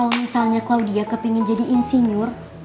kalau misalnya claudia kepengen jadi insinyur